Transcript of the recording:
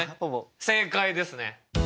正解ですね。